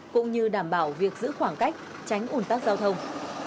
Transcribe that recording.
cũng như đảm bảo việc giữ khoảng cách tránh ủn tắc giao thông